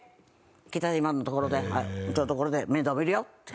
北島のところでうちのところで面倒見るよ」って。